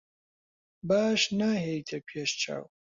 باش ناهێیتە پێش چاو.